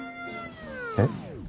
えっ？